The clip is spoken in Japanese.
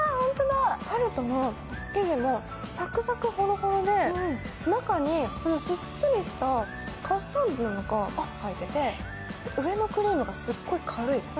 タルトの生地もサクサク、ホロホロで、中にしっとりしたカスタードが入って、上のクリームがすっごい軽い。